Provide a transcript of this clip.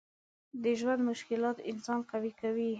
د ژوند مشکلات انسان قوي کوي.